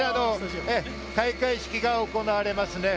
開会式が行われますね。